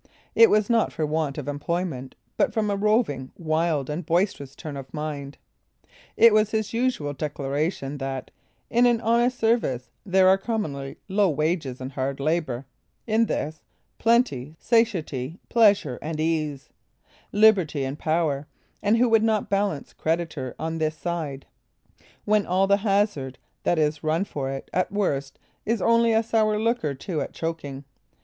It was not for want of employment, but from a roving, wild, and boisterous turn of mind. It was his usual declaration, that, "In an honest service, there are commonly low wages and hard labor; in this, plenty, satiety, pleasure and ease, liberty, and power; and who would not balance creditor on this side, when all the hazard that is run for it at worst, is only a sour look or two at choking?